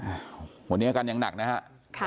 พี่สาวของเธอบอกว่ามันเกิดอะไรขึ้นกับพี่สาวของเธอ